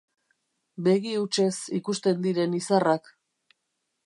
Begi hutsez ikusten diren izarrak.